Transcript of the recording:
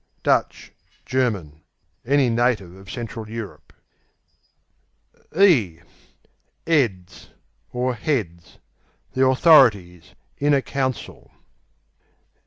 Dutch German; any native of Central Europe. 'Eads (Heads) The authorities; inner council.